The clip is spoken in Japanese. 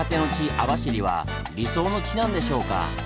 網走は「理想の地」なんでしょうか？